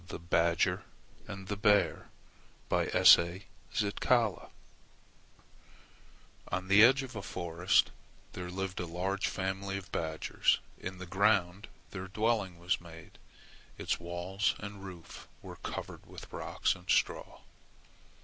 THE BADGER AND THE BEAR ON the edge of a forest there lived a large family of badgers. In the ground their dwelling was made. Its walls and roof were covered with rocks and straw.